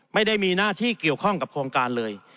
ไม่ได้มีหน้าที่เกี่ยวข้องกับโครงการเลย